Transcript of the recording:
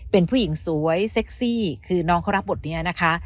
เป็นผู้หญิงสวยเซ็กซี่คือน้องเขารับบทนี้นะคะ